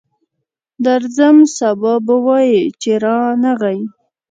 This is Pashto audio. درځم، سبا به وایې چې رانغی.